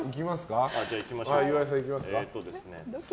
岩井さん、いきますか。